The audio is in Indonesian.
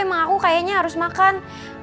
emang aku kayaknya harus makan